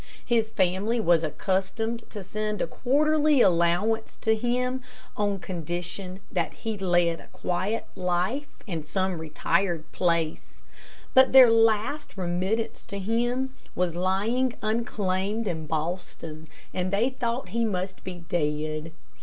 His family was accustomed to send a quarterly allowance to him, on condition that he led a quiet life in some retired place, but their last remittance to him was lying unclaimed in Boston, and they thought he must be dead.